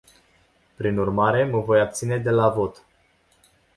Prin urmare, mă voi abține de la vot.